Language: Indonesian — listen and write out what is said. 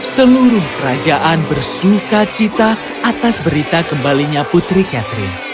seluruh kerajaan bersuka cita atas berita kembalinya putri catherine